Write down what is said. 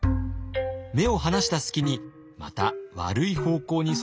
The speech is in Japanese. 目を離した隙にまた悪い方向に育っては大変。